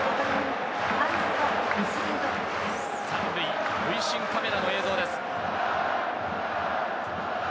３塁塁審カメラの映像です。